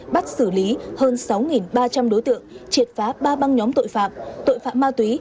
bắt xử lý hơn sáu ba trăm linh đối tượng triệt phá ba băng nhóm tội phạm tội phạm ma túy